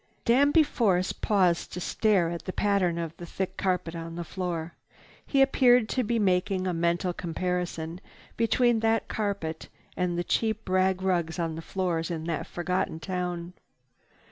Danby Force paused to stare at the pattern of the thick carpet on the floor. He appeared to be making a mental comparison between that carpet and the cheap rag rugs on the floors in that forgotten town.